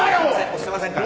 押してませんから。